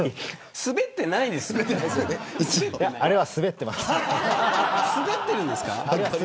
スベってるんですか。